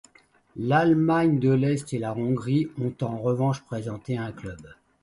L'Allemagne de l'Est et la Hongrie ont en revanche présenté un club.